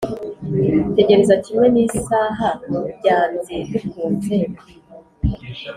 tegereza kimwe nisaha byanze bikunze: -